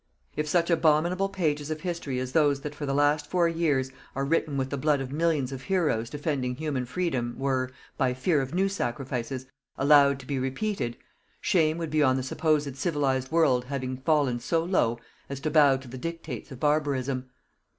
If such abominable pages of History as those that for the last four years are written with the blood of millions of heroes defending Human Freedom were, by fear of new sacrifices, allowed to be repeated, shame would be on the supposed civilized world having fallen so low as to bow to the dictates of barbarism.